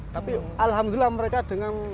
tapi alhamdulillah mereka dengan